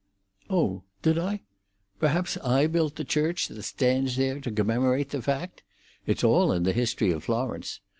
"Oh, did I? Perhaps I built the church that stands there to commemorate the fact. It's all in the history of Florence.